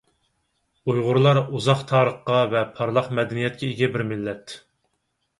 ئۇيغۇرلار — ئۇزاق تارىخقا ۋە پارلاق مەدەنىيەتكە ئىگە بىر مىللەت.